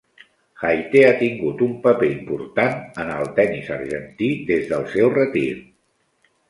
Jaite ha tingut un paper important en al tennis argentí des del seu retir.